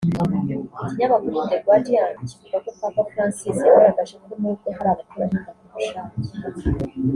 Ikinyamakuru The Guardian kivuga ko Papa Francis yagaragaje ko n’ubwo hari abakuramo inda ku bushake